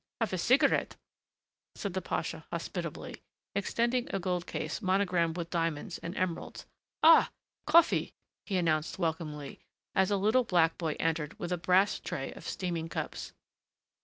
"Have a cigarette," said the pasha hospitably, extending a gold case monogrammed with diamonds and emeralds. "Ah, coffee!" he announced, welcomingly, as a little black boy entered with a brass tray of steaming cups.